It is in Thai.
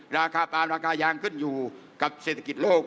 ราคาปาล์มราคายางขึ้นอยู่กับเศรษฐกิจโลก